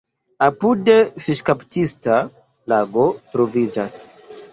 Apude fiŝkaptista lago troviĝas.